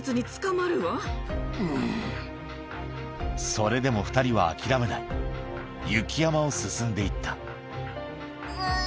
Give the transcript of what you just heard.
それでも２人は諦めない雪山を進んでいったうん！